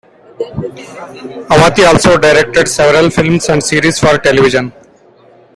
Avati also directed several films and series for television.